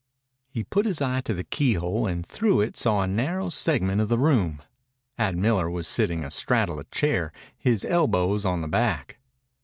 He put his eye to the keyhole, and through it saw a narrow segment of the room. Ad Miller was sitting a straddle a chair, his elbows on the back.